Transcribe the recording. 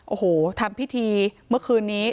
โอ้โหทำพิธีเมื่อคืนนี้